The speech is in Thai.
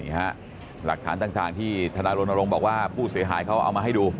หลักฐานต่างที่ธนารณรงค์บอกว่าผู้เสียหายเขาเอามาให้ดู